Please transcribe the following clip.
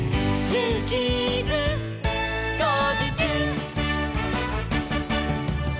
「ジューキーズこうじちゅう！」